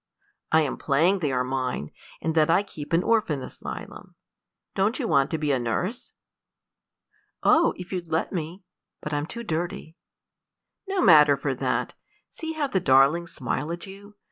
"I'm playing they are mine, and that I keep an orphan asylum. Don't you want to be a nurse?" "Oh, if you'd let me! but I'm too dirty." "No matter for that. See how the darlings smile at you.